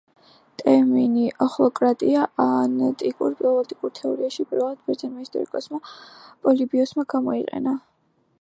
ტერმინი ოხლოკრატია ანტიკურ პოლიტიკურ თეორიებში პირველად ბერძენმა ისტორიკოსმა პოლიბიოსმა გამოიყენა.